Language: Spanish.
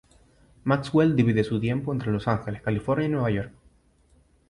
Maxwell divide su tiempo entre Los Angeles, California y Nueva York.